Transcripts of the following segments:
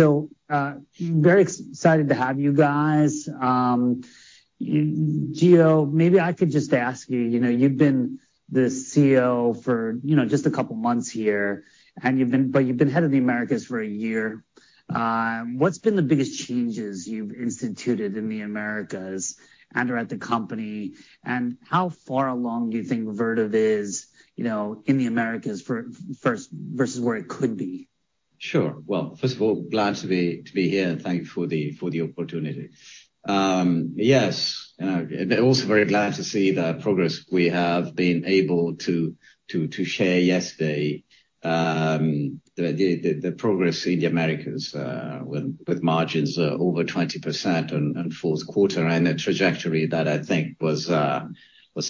Very excited to have you guys. Gio, maybe I could just ask you know, you've been the CEO for, you know, just a couple months here, and you've been head of the Americas for a year. What's been the biggest changes you've instituted in the Americas and/or at the company, and how far along do you think Vertiv is, you know, in the Americas versus where it could be? Sure. Well, first of all, glad to be here, and thank you for the opportunity. Yes, also very glad to see the progress we have been able to share yesterday, the progress in the Americas, with margins over 20% on fourth quarter and the trajectory that I think was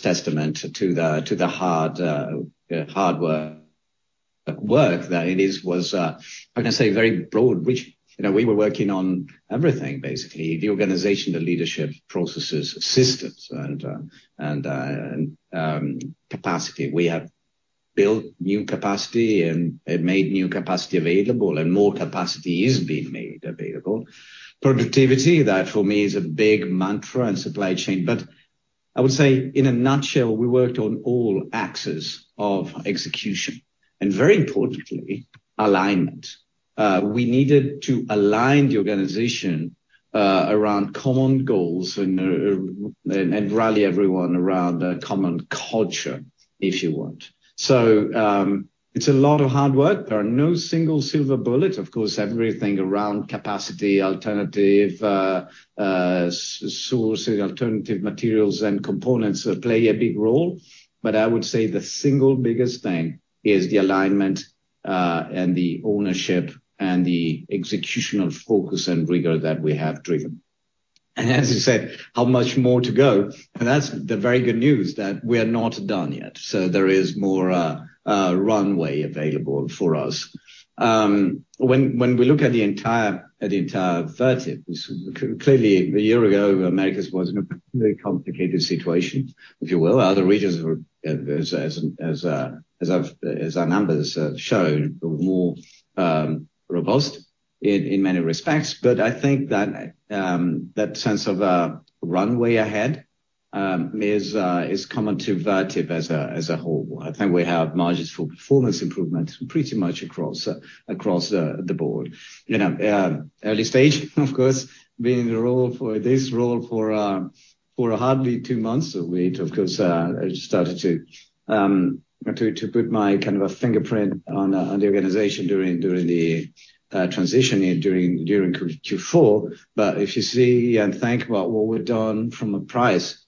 testament to the hard work that was, I can say, very broad reach. You know, we were working on everything, basically. The organization, the leadership processes, systems and capacity. We have built new capacity and made new capacity available, and more capacity is being made available. Productivity, that for me, is a big mantra and supply chain. I would say in a nutshell, we worked on all axes of execution and very importantly, alignment. We needed to align the organization around common goals and rally everyone around a common culture, if you want. It's a lot of hard work. There are no single silver bullet, of course, everything around capacity, alternative sources, alternative materials and components play a big role. I would say the single biggest thing is the alignment and the ownership and the executional focus and rigor that we have driven. As you said, how much more to go? That's the very good news, that we are not done yet. There is more runway available for us. When we look at the entire Vertiv, clearly a year ago, the Americas was in a very complicated situation, if you will. Other regions were as our numbers show, more robust in many respects. I think that sense of runway ahead is common to Vertiv as a whole. I think we have margins for performance improvement pretty much across the board. You know, early stage, of course, being in this role for hardly two months. We'd of course started to put my kind of a fingerprint on the organization during the transition here during Q4. If you see and think about what we've done from a price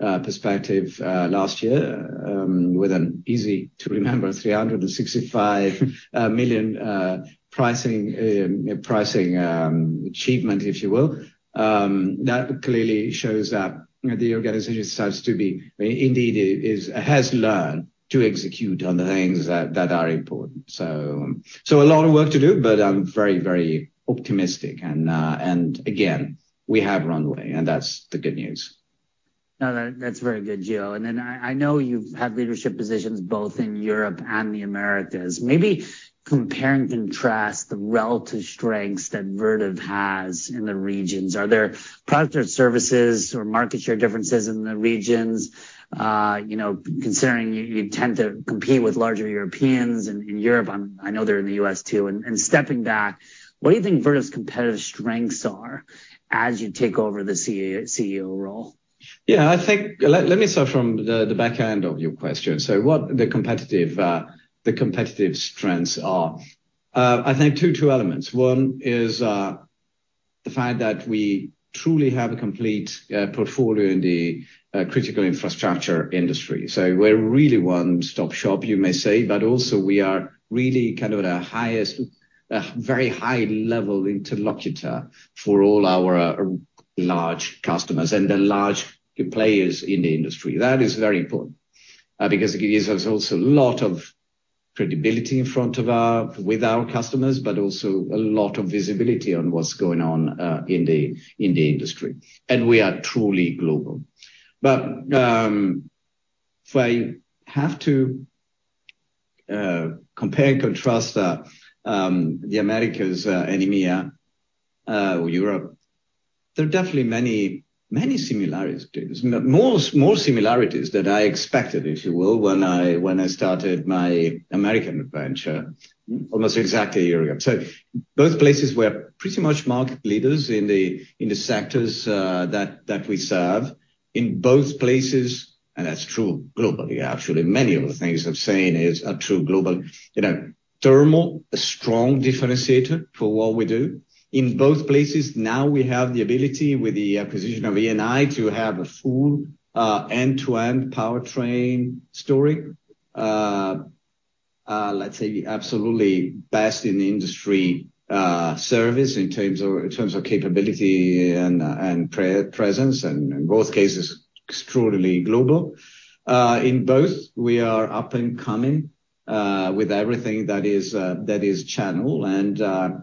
perspective last year, with an easy to remember $365 million pricing achievement, if you will, that clearly shows that the organization starts to be indeed has learned to execute on the things that are important. A lot of work to do, but I'm very optimistic. Again, we have runway, and that's the good news. No, that's very good, Gio. I know you've had leadership positions both in Europe and the Americas. Maybe compare and contrast the relative strengths that Vertiv has in the regions. Are there products or services or market share differences in the regions? You know, considering you tend to compete with larger Europeans in Europe, I know they're in the U.S. too. Stepping back, what do you think Vertiv's competitive strengths are as you take over the CEO role? Yeah, I think let me start from the back end of your question. What the competitive strengths are, I think two elements. One is the fact that we truly have a complete portfolio in the critical infrastructure industry. We're really one-stop shop, you may say. But also we are really kind of at a highest, very high level interlocutor for all our large customers and the large players in the industry. That is very important, because it gives us also a lot of credibility in front of with our customers, but also a lot of visibility on what's going on in the industry. We are truly global. If I have to compare and contrast the Americas and EMEA or Europe, there are definitely many similarities. More similarities than I expected, if you will, when I started my American adventure almost exactly a year ago. Both places we're pretty much market leaders in the sectors that we serve. In both places, and that's true globally, actually, many of the things I'm saying are true globally. You know, thermal, a strong differentiator for what we do. In both places now we have the ability with the acquisition of E&I to have a full end-to-end powertrain story. Let's say absolutely best in the industry service in terms of capability and presence, and in both cases, extraordinarily global. In both, we are up and coming with everything that is channel, and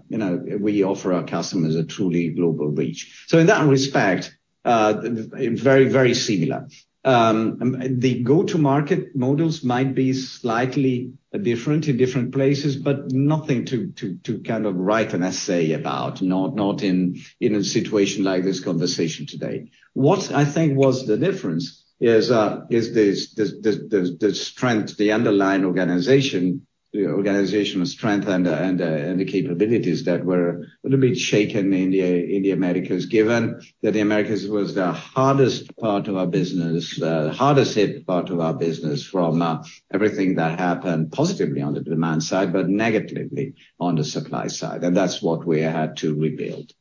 you know, we offer our customers a truly global reach. So in that respect, very, very similar. The go-to-market models might be slightly different in different places, but nothing to kind of write an essay about, not in a situation like this conversation today. What I think was the difference is this the strength, the underlying organization, the organizational strength and the capabilities that were a little bit shaken in the Americas, given that the Americas was the hardest part of our business, the hardest hit part of our business from everything that happened positively on the demand side, but negatively on the supply side. And that's what we had to rebuild.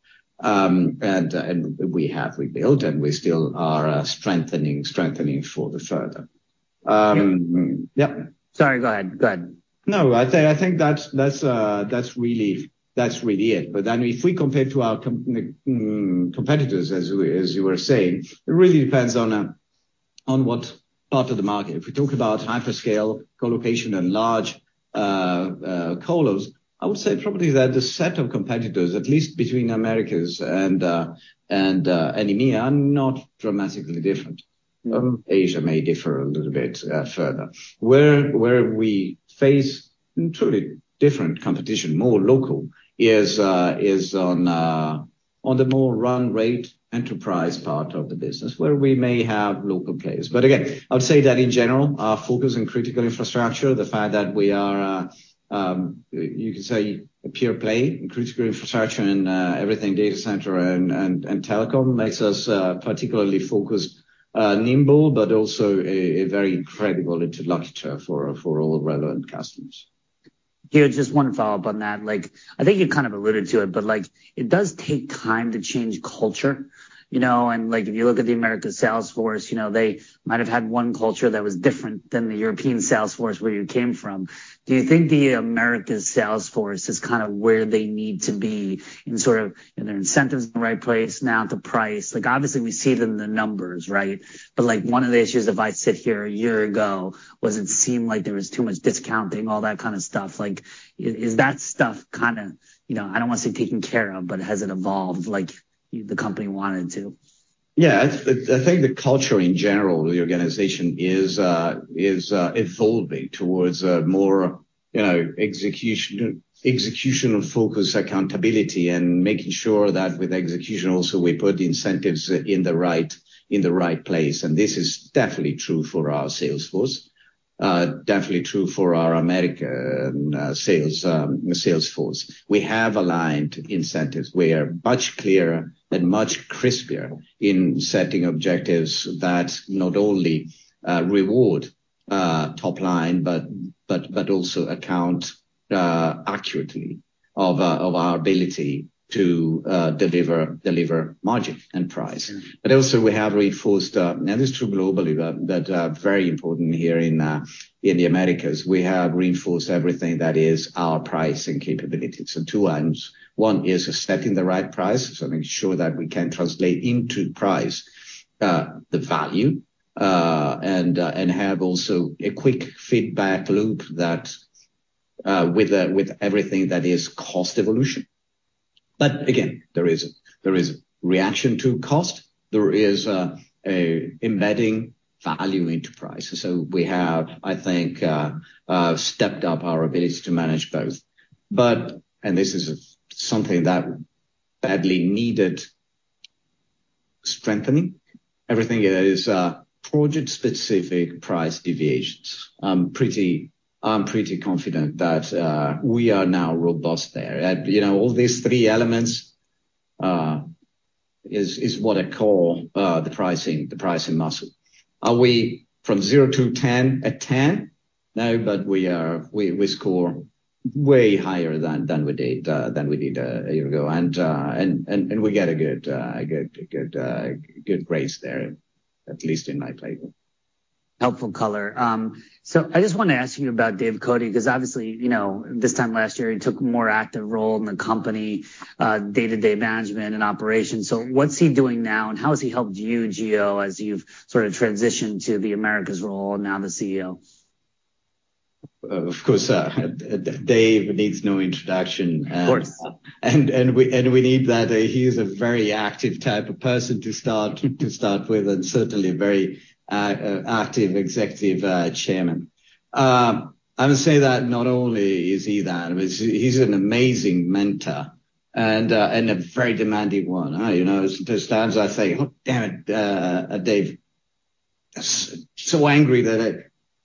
We have rebuilt, and we still are strengthening for the further. Sorry. Go ahead. I think that's really it. If we compare to our competitors, as you were saying, it really depends on what part of the market. If we talk about hyperscale colocation and large colos, I would say probably that the set of competitors, at least between Americas and EMEA, are not dramatically different. Mm-hmm. Asia may differ a little bit further. Where we face truly different competition, more local is on the more run rate enterprise part of the business where we may have local players. Again, I would say that in general, our focus in critical infrastructure, the fact that we are, you could say a pure play in critical infrastructure and everything data center and telecom makes us particularly focused, nimble, but also a very credible interlocutor for all relevant customers. Gio, just one follow-up on that. Like, I think you kind of alluded to it, but like it does take time to change culture, you know. Like if you look at the Americas sales force, you know, they might have had one culture that was different than the European sales force where you came from. Do you think the Americas sales force is kind of where they need to be in sort of are their incentives in the right place now, the price? Like, obviously we see it in the numbers, right? Like one of the issues if I sit here a year ago was it seemed like there was too much discounting, all that kind of stuff. Like is that stuff kind of, you know, I don't want to say taken care of, but has it evolved like the company wanted to? I think the culture in general of the organization is evolving towards a more, you know, execution-focused accountability and making sure that with execution also we put incentives in the right place. This is definitely true for our sales force. Definitely true for our America sales force. We have aligned incentives. We are much clearer and much crispier in setting objectives that not only reward top line, but also account accurately of our ability to deliver margin and price. Mm-hmm. Also we have reinforced, and this is true globally, but, very important here in the Americas. We have reinforced everything that is our pricing capabilities. Two items. One is setting the right price. Making sure that we can translate into price, the value, and have also a quick feedback loop that, with everything that is cost evolution. Again, there is reaction to cost. There is a embedding value into price. We have, I think, stepped up our ability to manage both. This is something that badly needed strengthening, everything that is project specific price deviations. I'm pretty confident that, we are now robust there. You know, all these three elements, is what I call, the pricing muscle. Are we from zero to 10 a 10? No, but we score way higher than we did a year ago. And we get a good grace there, at least in my playbook. Helpful color. I just want to ask you about Dave Cote, 'cause obviously, you know, this time last year, he took a more active role in the company day-to-day management and operations. What's he doing now, and how has he helped you, Gio, as you've sort of transitioned to the Americas role and now the CEO? Of course, Dave needs no introduction. Of course. We need that. He is a very active type of person to start with, and certainly a very active Executive Chairman. I would say that not only is he that, but he's an amazing mentor and a very demanding one. You know, there's times I say, "Oh, damn it, Dave." So angry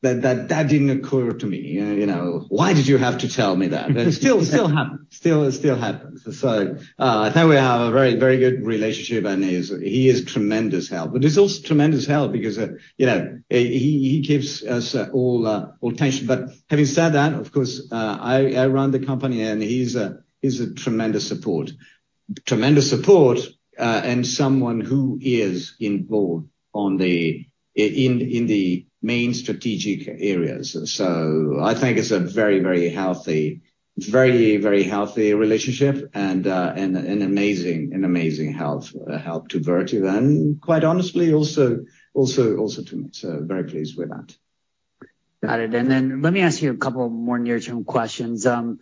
that didn't occur to me, you know. Why did you have to tell me that? It still happens. Still, it still happens. I think we have a very, very good relationship, and he is tremendous help. He's also tremendous help because, you know, he gives us all attention. Having said that, of course, I run the company, and he's a tremendous support. Tremendous support, and someone who is involved on the main strategic areas. I think it's a very, very healthy relationship and amazing help, help to Vertiv and quite honestly also to me. Very pleased with that. Got it. Then let me ask you a couple more near-term questions. You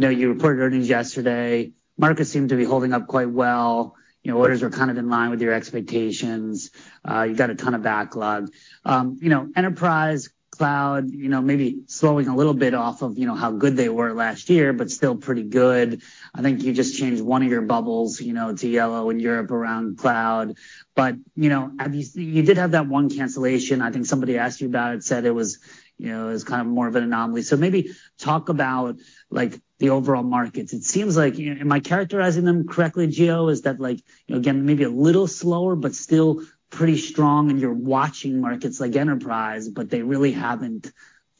know, you reported earnings yesterday. Markets seem to be holding up quite well. You know, orders are kind of in line with your expectations. You've got a ton of backlog. You know, enterprise cloud, you know, maybe slowing a little bit off of, you know, how good they were last year, but still pretty good. I think you just changed one of your bubbles, you know, to yellow in Europe around cloud. You know, obviously you did have that one cancellation. I think somebody asked you about it, said it was, you know, it was kind of more of an anomaly. Maybe talk about like the overall markets. It seems like, am I characterizing them correctly, Gio? Is that like, you know, again, maybe a little slower but still pretty strong and you're watching markets like enterprise, but they really haven't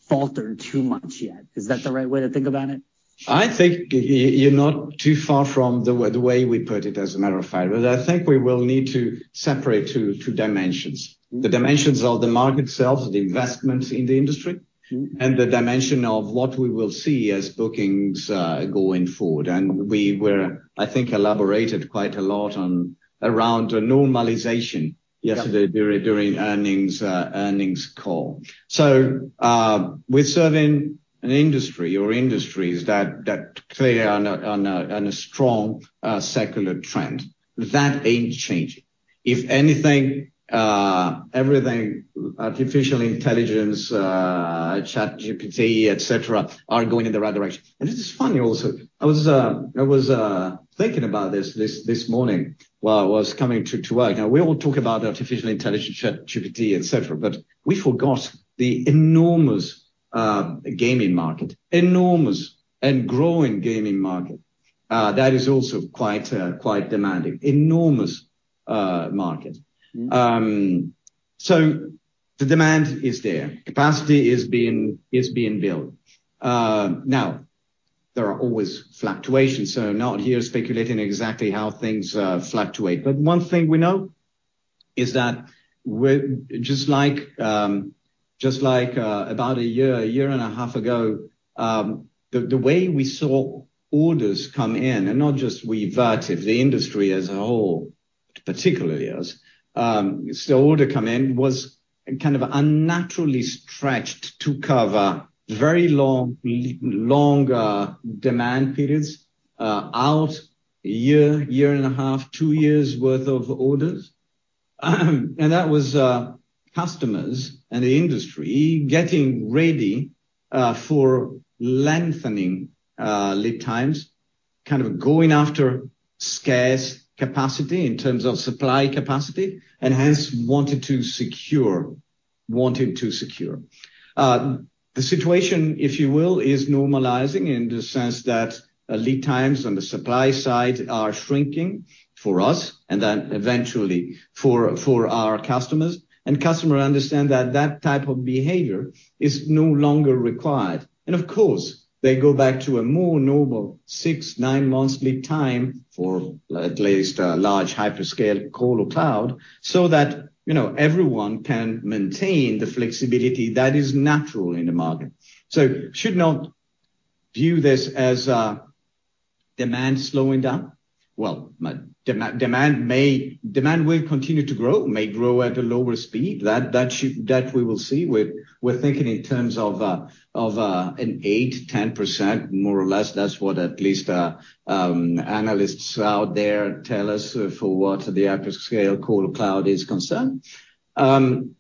faltered too much yet? Is that the right way to think about it? I think you're not too far from the way, the way we put it as a matter of fact. I think we will need to separate two dimensions. The dimensions of the market itself, the investments in the industry, and the dimension of what we will see as bookings going forward. We were, I think, elaborated quite a lot on around a normalization yesterday during earnings call. We're serving an industry or industries that clearly are on a strong secular trend. That ain't changing. If anything, everything artificial intelligence, ChatGPT, et cetera, are going in the right direction. It is funny also. I was thinking about this morning while I was coming to work. Now we all talk about artificial intelligence, ChatGPT, et cetera, but we forgot the enormous gaming market. Enormous and growing gaming market that is also quite demanding. Enormous market. The demand is there. Capacity is being built. Now, there are always fluctuations, so I'm not here speculating exactly how things fluctuate. One thing we know is that we're just like about a year, a year and a half ago, the way we saw orders come in, and not just we Vertiv, the industry as a whole, particularly us, so order come in was kind of unnaturally stretched to cover very long demand periods, out a year, a year and a half, two years worth of orders. That was customers and the industry getting ready for lengthening lead times, kind of going after scarce capacity in terms of supply capacity and hence wanted to secure. The situation, if you will, is normalizing in the sense that lead times on the supply side are shrinking for us and then eventually for our customers. Customer understand that that type of behavior is no longer required. Of course, they go back to a more normal six, nine months lead time for at least a large hyperscale core or cloud, so that, you know, everyone can maintain the flexibility that is natural in the market. Should not view this as demand slowing down. Well, demand may. Demand will continue to grow, may grow at a lower speed. That should, that we will see. We're thinking in terms of an 8%-10% more or less. That's what at least analysts out there tell us for what the hyperscale core cloud is concerned. We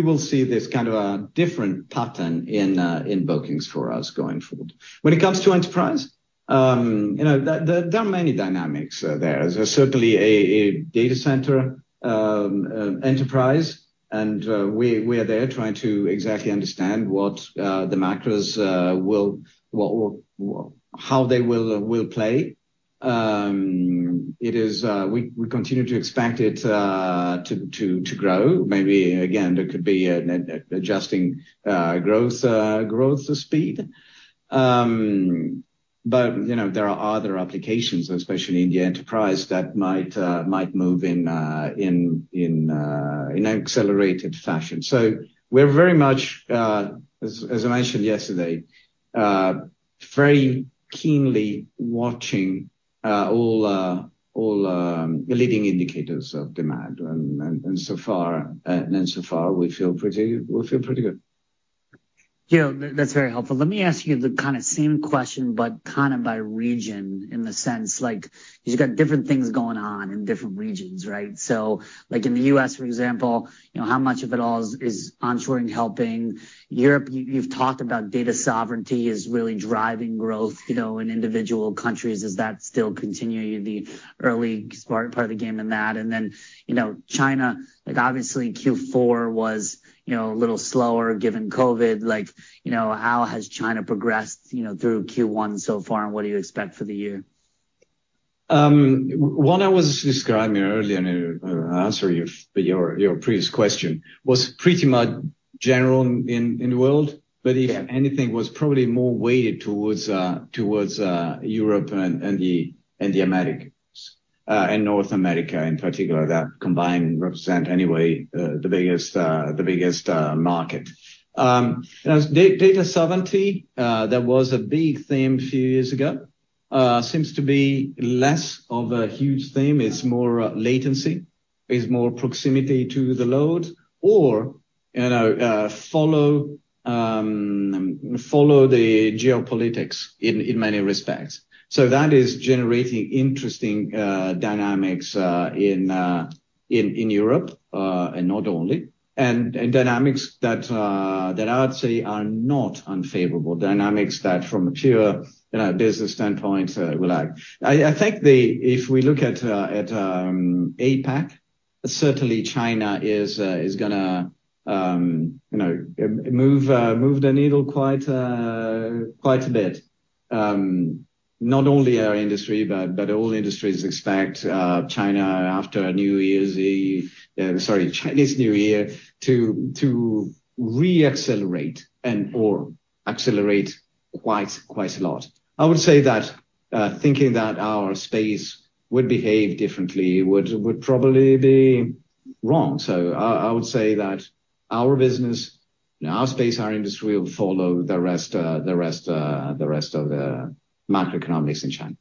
will see this kind of a different pattern in bookings for us going forward. When it comes to enterprise, you know, there are many dynamics there. There's certainly a data center enterprise and we're there trying to exactly understand what the macros will, how they will play. It is, we continue to expect it to grow. Maybe again, there could be an adjusting growth speed. You know, there are other applications, especially in the enterprise that might move in accelerated fashion. We're very much, as I mentioned yesterday, very keenly watching all leading indicators of demand. So far we feel pretty good. Gio, that's very helpful. Let me ask you the kinda same question, but kinda by region in the sense like, you've got different things going on in different regions, right? Like in the U.S., for example, you know, how much of it all is onshoring helping? Europe, you've talked about data sovereignty is really driving growth, you know, in individual countries. Is that still continuing the early part of the game in that? You know, China, like obviously Q4 was, you know, a little slower given COVID. Like, you know, how has China progressed, you know, through Q1 so far, and what do you expect for the year? What I was describing earlier in answer your previous question was pretty much general in the world. Yeah. If anything was probably more weighted towards Europe and the Americas. In North America in particular that combined represent anyway, the biggest market. As data sovereignty, that was a big theme a few years ago, seems to be less of a huge theme. It's more latency. It's more proximity to the load or, you know, follow the geopolitics in many respects. That is generating interesting dynamics in Europe, and not only, and dynamics that I'd say are not unfavorable dynamics that from a pure, you know, business standpoint, will have. I think if we look at APAC, certainly China is gonna, you know, move the needle quite a bit. Not only our industry, but all industries expect China after New Year's Eve, sorry, Chinese New Year, to re-accelerate and/or accelerate quite a lot. I would say that thinking that our space would behave differently would probably be wrong. I would say that our business, our space, our industry will follow the rest of the macroeconomics in China.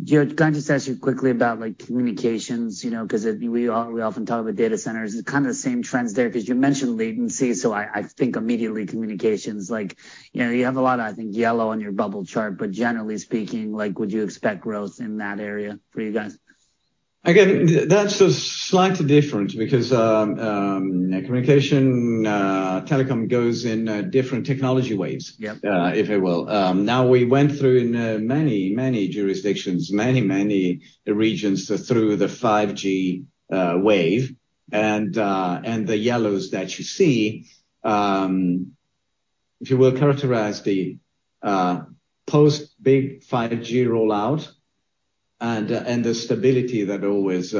Gio, can I just ask you quickly about, like, communications? You know, cause we often talk about data centers. Is it kinda the same trends there? Cause you mentioned latency, so I think immediately communications. Like, you know, you have a lot of, I think, yellow on your bubble chart, but generally speaking, like, would you expect growth in that area for you guys? Again, that's a slight difference because communication telecom goes in different technology waves. Yep. If you will. Now we went through in many, many jurisdictions, many, many regions through the 5G wave and the yellows that you see, if you will characterize the post big 5G rollout and the stability that always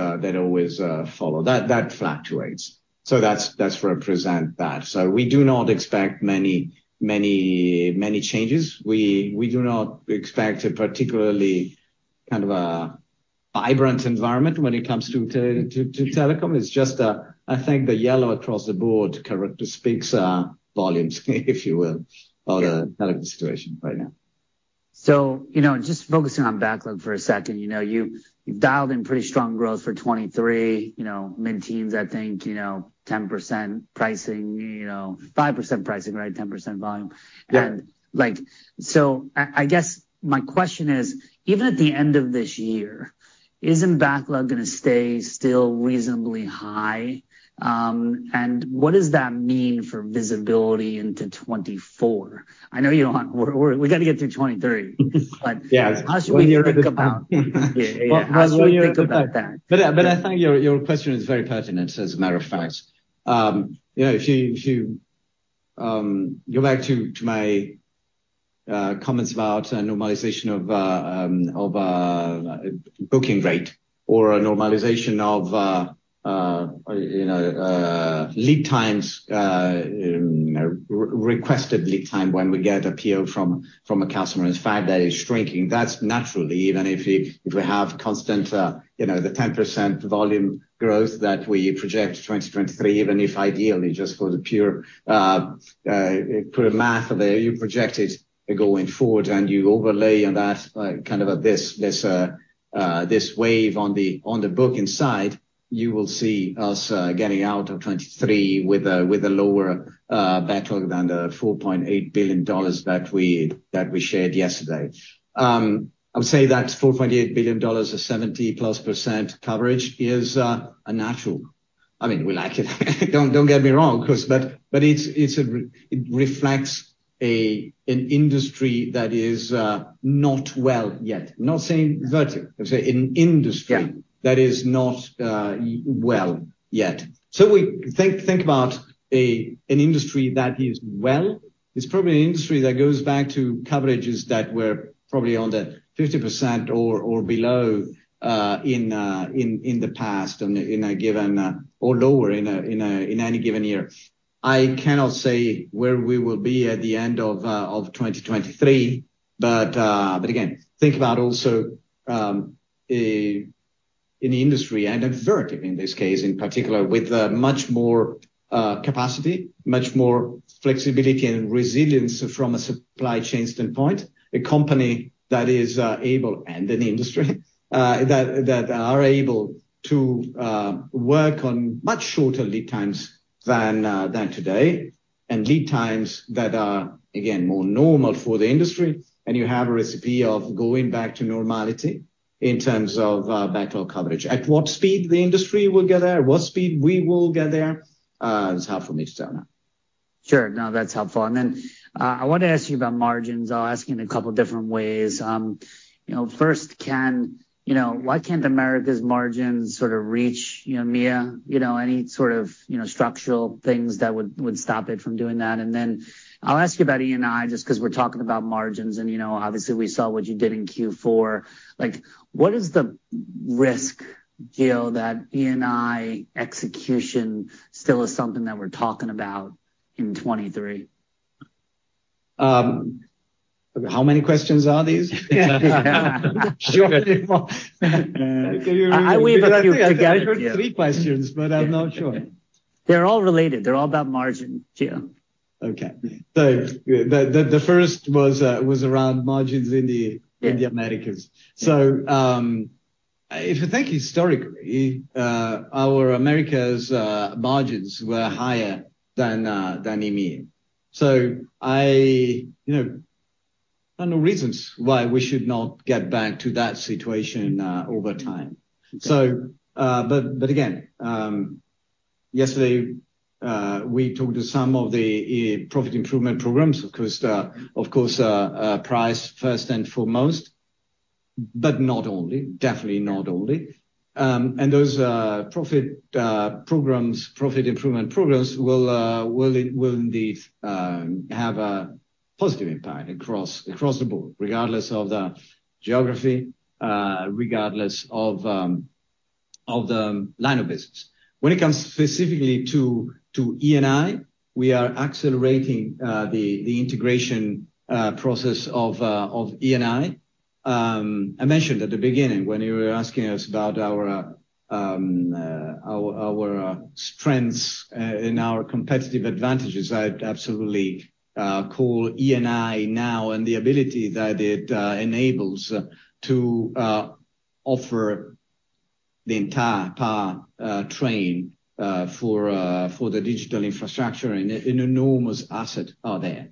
follow. That fluctuates. That's represent that. We do not expect many changes. We do not expect a particularly kind of a vibrant environment when it comes to telecom. It's just I think the yellow across the board character speaks volumes if you will, on the telecom situation right now. You know, just focusing on backlog for a second, you know, you've dialed in pretty strong growth for 2023, you know, mid-teens, I think, you know, 10% pricing, you know, 5% pricing, right? 10% volume. Yeah. Like, I guess my question is, even at the end of this year, isn't backlog gonna stay still reasonably high? What does that mean for visibility into 2024? I know you don't want. We gotta get through 2023. Yeah. How should we think about? Yeah, yeah. How should we think about that? I think your question is very pertinent as a matter of fact. You know, if you go back to my comments about normalization of booking rate or a normalization of, you know, lead times, you know, requested lead time when we get a PO from a customer, in fact, that is shrinking. That's naturally, even if we have constant, you know, the 10% volume growth that we project 2023, even if ideally just for the pure math there, you project it going forward and you overlay on that, kind of, this wave on the booking side, you will see us getting out of 2023 with a lower backlog than the $4.8 billion that we shared yesterday. I would say that $4.8 billion or 70%+ coverage is a natural. I mean, we like it don't get me wrong 'cause it reflects an industry that is not well yet. Not saying Vertiv. I'm saying an industry. Yeah. That is not well yet. We think about an industry that is well, it's probably an industry that goes back to coverages that were probably on the 50% or below in the past on a given or lower in any given year. I cannot say where we will be at the end of 2023, but again, think about also an industry and Vertiv in this case in particular with a much more capacity, much more flexibility and resilience from a supply chain standpoint. A company that is able and an industry that are able to work on much shorter lead times than today, and lead times that are, again, more normal for the industry. You have a recipe of going back to normality in terms of backlog coverage. At what speed the industry will get there, at what speed we will get there, it's hard for me to tell now. Sure. No, that's helpful. Then, I wanna ask you about margins. I'll ask in a couple different ways. You know, first, you know, why can't Americas' margins sort of reach, you know, EMEA? You know, any sort of, you know, structural things that would stop it from doing that. Then I'll ask you about E&I, just 'cause we're talking about margins and, you know, obviously we saw what you did in Q4. Like, what is the risk, Gio, that E&I execution still is something that we're talking about in 2023? How many questions are these? Sure. I think I heard three questions, but I'm not sure. They're all related. They're all about margin, Gio. Okay. The first was around margins. Yeah. In the Americas. If you think historically, our Americas margins were higher than EMEA. I, you know, find no reasons why we should not get back to that situation over time. Okay. Again, yesterday, we talked to some of the profit improvement programs, of course, of course, price first and foremost, but not only, definitely not only. Those profit programs, profit improvement programs will indeed have a positive impact across the board, regardless of the geography, regardless of the line of business. When it comes specifically to E&I, we are accelerating the integration process of E&I. I mentioned at the beginning when you were asking us about our strengths and our competitive advantages, I'd absolutely call E&I now and the ability that it enables to offer the entire powertrain for the digital infrastructure and an enormous asset are there.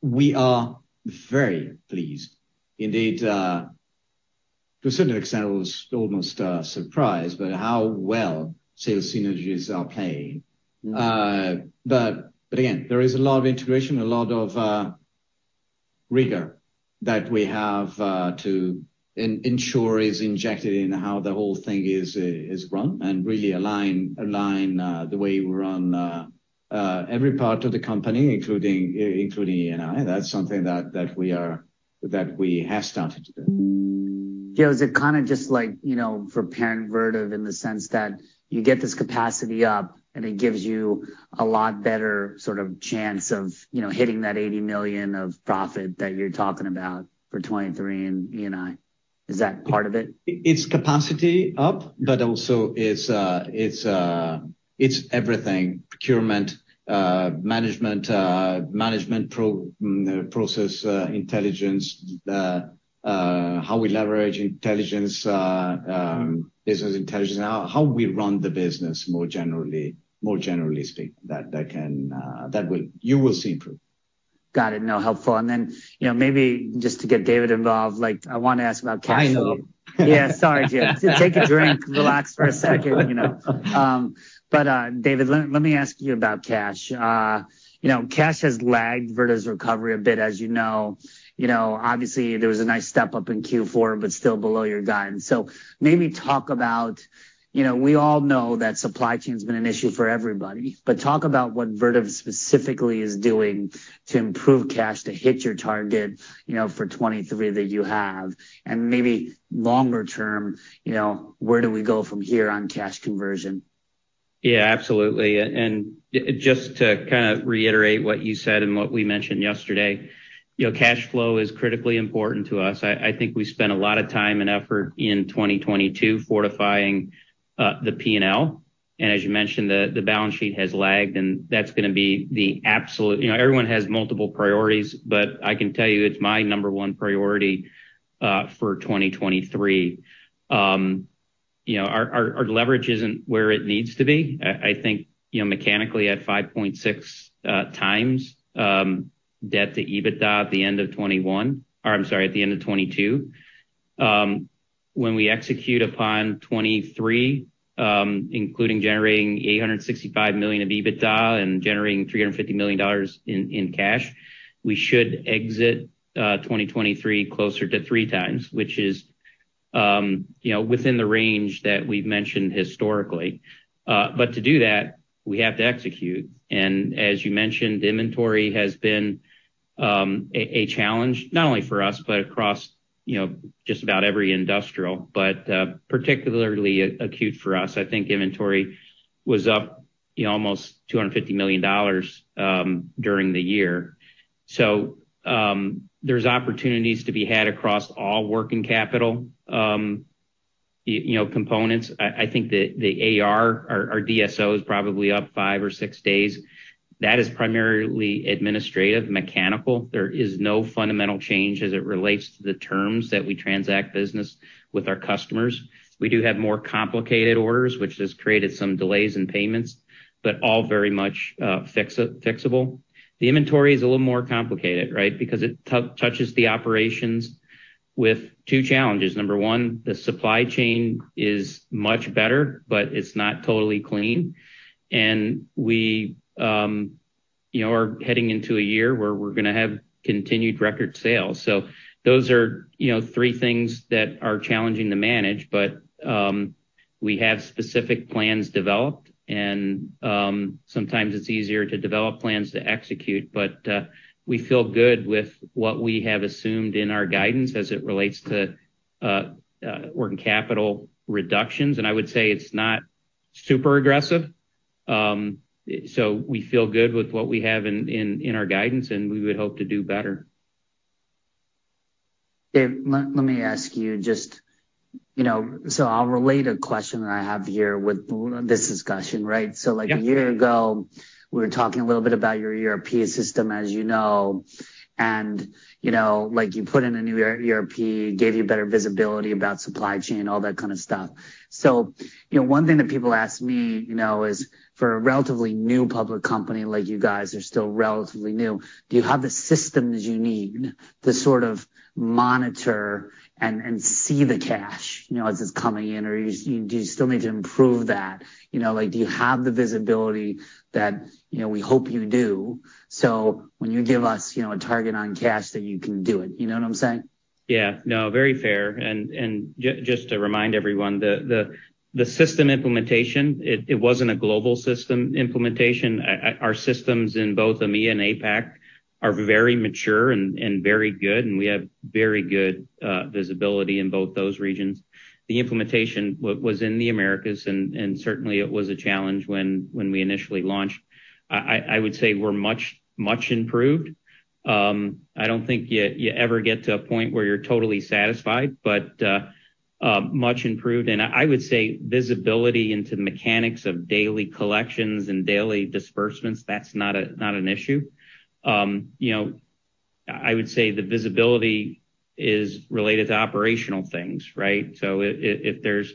We are very pleased indeed, to a certain extent I was almost surprised by how well sales synergies are playing. But again, there is a lot of integration, a lot of rigor that we have to ensure is injected in how the whole thing is run and really align the way we run every part of the company, including E&I. That's something that we have started to do. Gio, is it kinda just like, you know, for parent Vertiv in the sense that you get this capacity up, and it gives you a lot better sort of chance of, you know, hitting that $80 million of profit that you're talking about for 2023 in E&I? Is that part of it? It's capacity up, but also it's everything. Procurement, management process, intelligence, how we leverage intelligence, business intelligence, how we run the business more generally speaking. That can, that will, you will see improve. Got it. No, helpful. Then, you know, maybe just to get David involved, like I wanna ask about cash. I know. Yeah. Sorry, Gio. Take a drink, relax for a second, you know. David, let me ask you about cash. You know, cash has lagged Vertiv's recovery a bit, as you know. You know, obviously, there was a nice step-up in Q4, but still below your guidance. Maybe talk about, you know, we all know that supply chain has been an issue for everybody. Talk about what Vertiv specifically is doing to improve cash to hit your target, you know, for 2023 that you have, and maybe longer term, you know, where do we go from here on cash conversion? Yeah, absolutely. And just to kinda reiterate what you said and what we mentioned yesterday, you know, cash flow is critically important to us. I think we spent a lot of time and effort in 2022 fortifying the P&L. As you mentioned, the balance sheet has lagged, and that's gonna be the absolute, you know, everyone has multiple priorities, but I can tell you it's my number one priority for 2023. You know, our leverage isn't where it needs to be. I think, you know, mechanically at 5.6x debt to EBITDA at the end of 2021 or I'm sorry, at the end of 2022. When we execute upon 2023, including generating $865 million of EBITDA and generating $350 million in cash, we should exit 2023 closer to 3x, which is, you know, within the range that we've mentioned historically. To do that, we have to execute. As you mentioned, inventory has been a challenge, not only for us, but across, you know, just about every industrial. Particularly acute for us, I think inventory was up, you know, almost $250 million during the year. There's opportunities to be had across all working capital, you know, components. I think the AR, our DSO is probably up five or six days. That is primarily administrative, mechanical. There is no fundamental change as it relates to the terms that we transact business with our customers. We do have more complicated orders, which has created some delays in payments, but all very much fixable. The inventory is a little more complicated, right? Because it touches the operations with two challenges. Number one, the supply chain is much better, but it's not totally clean. We, you know, are heading into a year where we're gonna have continued record sales. Those are, you know, three things that are challenging to manage. We have specific plans developed and sometimes it's easier to develop plans to execute. We feel good with what we have assumed in our guidance as it relates to working capital reductions. I would say it's not super aggressive. We feel good with what we have in our guidance, and we would hope to do better. Dave, let me ask you just, you know. I'll relate a question that I have here with this discussion, right? Yeah. Like a year ago, we were talking a little bit about your ERP system as you know, and, you know, like you put in a new ERP, gave you better visibility about supply chain, all that kind of stuff. You know, one thing that people ask me, you know, is for a relatively new public company like you guys are still relatively new, do you have the systems you need to sort of monitor and see the cash, you know, as it's coming in, or you, do you still need to improve that? You know, like, do you have the visibility that, you know, we hope you do? When you give us, you know, a target on cash that you can do it, you know what I'm saying? No, very fair. Just to remind everyone, the system implementation, it wasn't a global system implementation. Our systems in both EMEA and APAC are very mature and very good, and we have very good visibility in both those regions. The implementation was in the Americas and certainly it was a challenge when we initially launched. I would say we're much improved. I don't think you ever get to a point where you're totally satisfied, but much improved. I would say visibility into mechanics of daily collections and daily disbursements, that's not an issue. You know, I would say the visibility is related to operational things, right? If there's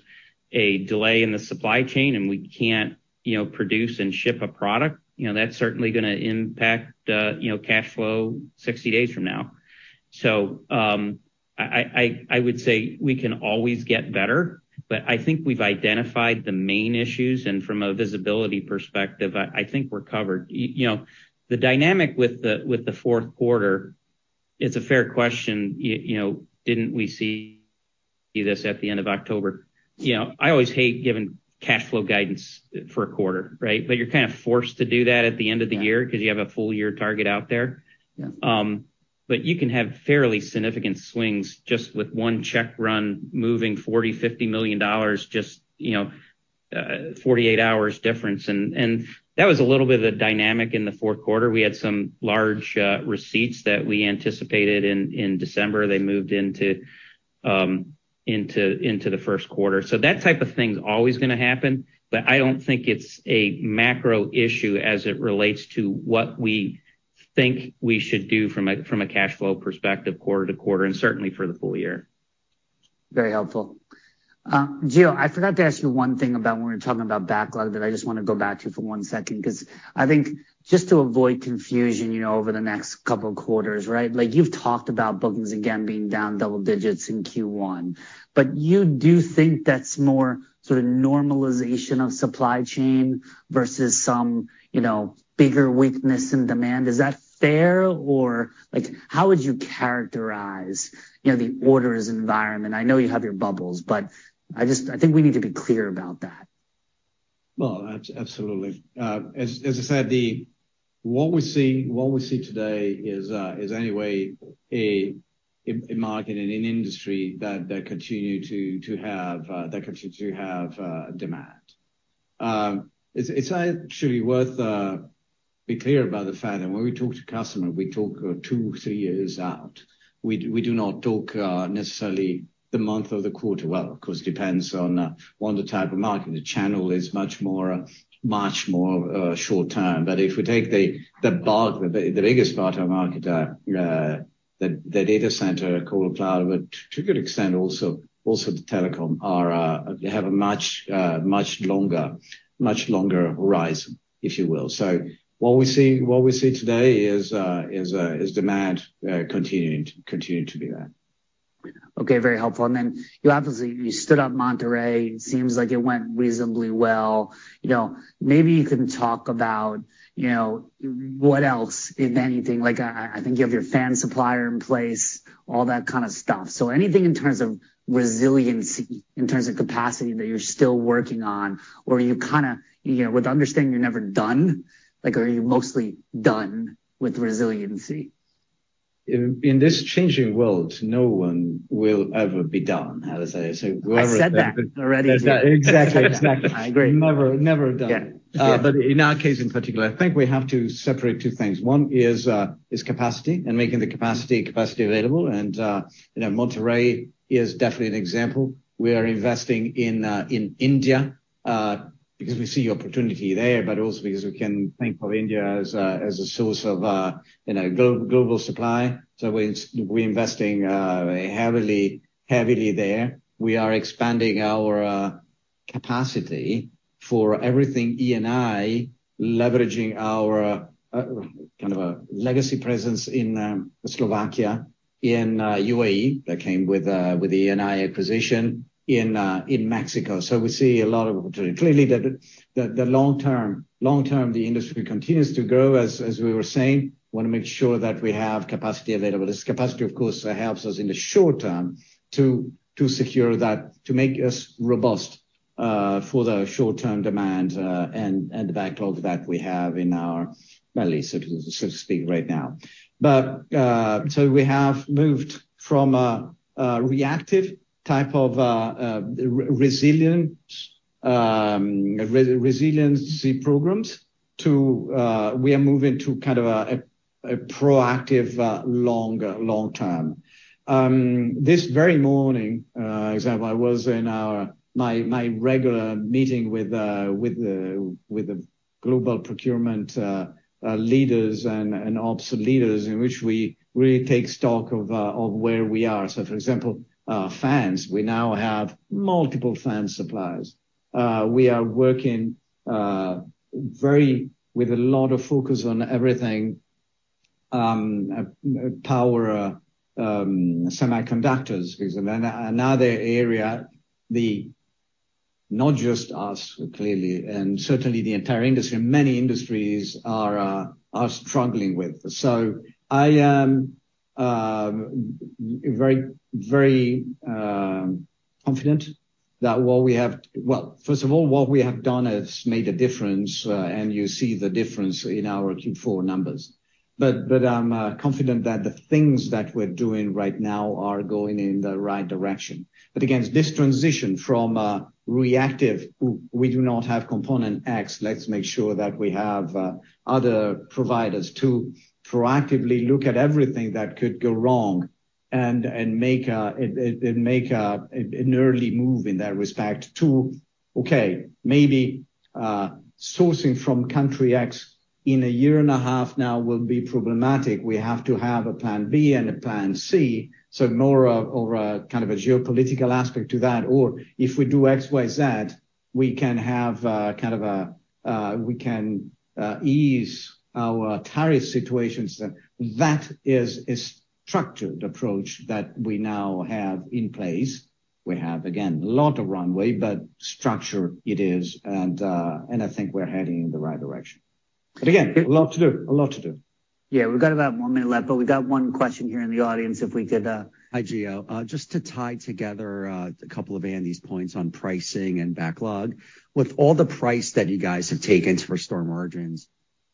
a delay in the supply chain and we can't, you know, produce and ship a product, you know, that's certainly gonna impact, you know, cash flow 60 days from now. I would say we can always get better, but I think we've identified the main issues, and from a visibility perspective, I think we're covered. You know, the dynamic with the fourth quarter, it's a fair question. You know, didn't we see this at the end of October? You know, I always hate giving cash flow guidance for a quarter, right? You're kind of forced to do that at the end of the year 'cause you have a full year target out there. Yeah. But you can have fairly significant swings just with one check run moving $40 million-$50 million just, you know, 48 hours difference. That was a little bit of the dynamic in the fourth quarter. We had some large receipts that we anticipated in December. They moved into the first quarter. That type of thing's always gonna happen, but I don't think it's a macro issue as it relates to what we think we should do from a, from a cash flow perspective quarter to quarter, and certainly for the full year. Very helpful. Gio, I forgot to ask you one thing about when we're talking about backlog that I just wanna go back to for one second, 'cause I think just to avoid confusion, you know, over the next couple of quarters, right? Like, you've talked about bookings again being down double digits in Q1. You do think that's more sort of normalization of supply chain versus some, you know, bigger weakness in demand. Is that fair or, like, how would you characterize, you know, the orders environment? I know you have your bubbles, but I think we need to be clear about that. Well, absolutely. As I said, what we're seeing, what we see today is anyway a market and an industry that continue to have demand. It's actually worth be clear about the fact that when we talk to customer, we talk two, three years out. We do not talk necessarily the month or the quarter. Well, of course, depends on the type of market. The channel is much more short-term. If we take the part, the biggest part of market, the data center called cloud, to a good extent also the telecom are have a much longer horizon, if you will. What we see today is demand continuing to do that. Okay. Very helpful. You obviously, you stood up Monterrey. It seems like it went reasonably well. You know, maybe you can talk about, you know, what else, if anything. Like, I think you have your fan supplier in place, all that kind of stuff. Anything in terms of resiliency, in terms of capacity that you're still working on, or are you kind of, you know, with understanding you're never done, like, are you mostly done with resiliency? In this changing world, no one will ever be done, as I say. I said that already. Exactly. Exactly. I agree. Never, never done. Yeah. Yeah. In our case in particular, I think we have to separate two things. One is capacity and making the capacity available. You know, Monterrey is definitely an example. We are investing in India because we see opportunity there, but also because we can think of India as a source of, you know, global supply. We're investing heavily there. We are expanding our capacity for everything E&I, leveraging our kind of a legacy presence in Slovakia, in UAE that came with the E&I acquisition in Mexico. We see a lot of opportunity. Clearly, the long term, the industry continues to grow, as we were saying. Wanna make sure that we have capacity available. Of course, it helps us in the short term to secure that, to make us robust for the short-term demand and the backlog that we have in our belly, so to speak, right now. We have moved from a reactive type of re-resilience, resiliency programs to we are moving to kind of a proactive, longer long term. This very morning, example, I was in my regular meeting with the global procurement leaders and ops leaders, in which we really take stock of where we are. For example, fans, we now have multiple fan suppliers. We are working very with a lot of focus on everything power semiconductors, because another area, the not just us clearly, and certainly the entire industry and many industries are struggling with. I am very, very confident. Well, first of all, what we have done has made a difference, and you see the difference in our Q4 numbers. I'm confident that the things that we're doing right now are going in the right direction. Again, this transition from reactive, we do not have component X, let's make sure that we have other providers to proactively look at everything that could go wrong and make an early move in that respect to, okay, maybe sourcing from country X in a year and a half now will be problematic. We have to have a plan B and a plan C. More of, or a kind of a geopolitical aspect to that. If we do X, Y, Z, we can have kind of a, we can ease our tariff situations. That is a structured approach that we now have in place. We have, again, a lot of runway, but structure it is. I think we're heading in the right direction. Again, a lot to do. A lot to do. Yeah, we've got about one minute left, we've got one question here in the audience if we could. Hi, Gio. Just to tie together a couple of Andy's points on pricing and backlog. With all the price that you guys have taken for store margins,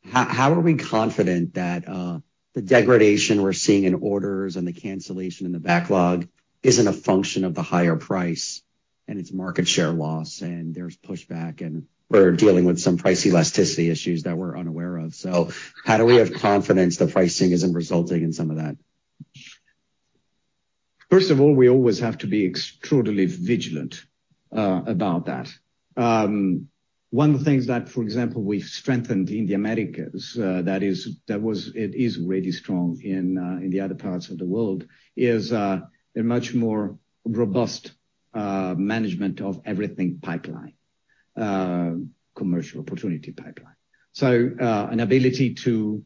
how are we confident that the degradation we're seeing in orders and the cancellation in the backlog isn't a function of the higher price and it's market share loss and there's pushback, and we're dealing with some price elasticity issues that we're unaware of? How do we have confidence the pricing isn't resulting in some of that? First of all, we always have to be extraordinarily vigilant, about that. One of the things that, for example, we've strengthened in the Americas, that is really strong in the other parts of the world is, a much more robust, management of everything pipeline, commercial opportunity pipeline. An ability to,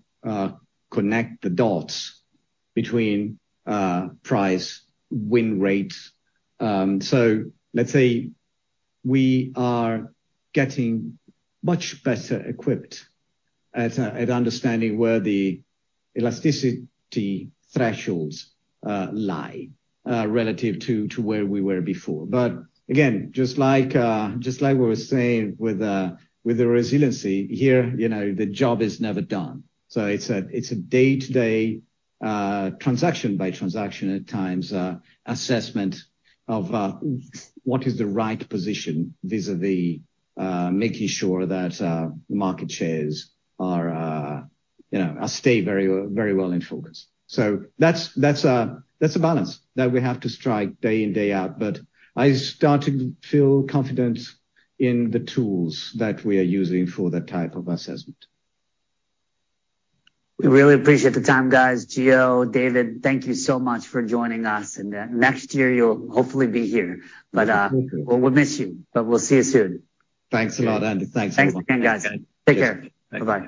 connect the dots between, price, win rate. Let's say we are getting much better equipped at understanding where the elasticity thresholds, lie, relative to where we were before. Again, just like we were saying with the resiliency here, you know, the job is never done. It's a day-to-day, transaction by transaction at times, assessment of what is the right position vis-a-vis making sure that market shares are, you know, stay very, very well in focus. That's a balance that we have to strike day in, day out. I start to feel confident in the tools that we are using for that type of assessment. We really appreciate the time, guys. Gio, David, thank you so much for joining us, and next year you'll hopefully be here. Thank you. We'll miss you, but we'll see you soon. Thanks a lot, Andy. Thanks a lot. Thanks again, guys. Take care. Bye-bye.